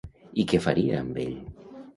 I què faria amb ell?